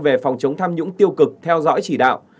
về phòng chống tham nhũng tiêu cực theo dõi chỉ đạo